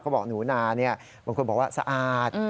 บอกหนูนาบางคนบอกว่าสะอาด